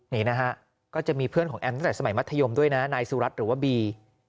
นี่นะฮะก็จะมีเพื่อนของแอมตั้งแต่สมัยมัธยมด้วยนะนายสุรัตน์หรือว่าบี